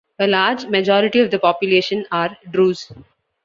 A large majority of the population are Druze.